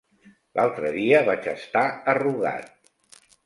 L'altre dia vaig estar a Rugat.